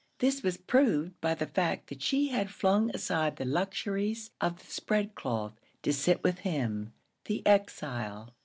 This was proved by the fact that she had flung aside the luxuries of the spread cloth to sit with him, the exile.